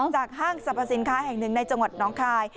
ห้างสรรพสินค้าแห่งหนึ่งในจังหวัดน้องคาย